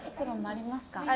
あります。